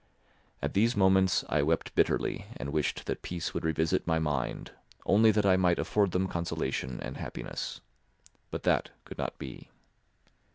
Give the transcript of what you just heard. At these moments I wept bitterly and wished that peace would revisit my mind only that I might afford them consolation and happiness. But that could not be.